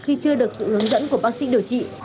khi chưa được sự hướng dẫn của bác sĩ điều trị